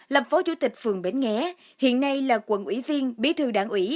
lập phó chủ tịch phường bến nghé hiện nay là quận ủy viên bí thư đảng ủy